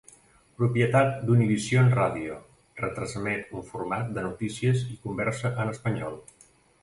Propietat d'Univision Radio, retransmet un format de notícies i conversa en espanyol.